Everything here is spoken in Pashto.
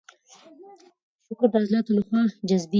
شکر د عضلاتو له خوا جذبېږي.